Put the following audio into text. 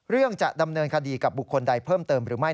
จะดำเนินคดีกับบุคคลใดเพิ่มเติมหรือไม่